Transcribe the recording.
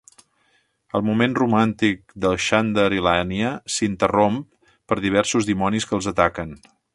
El moment romàntic del Xander i l'Anya s'interromp per diversos dimonis que els ataquen.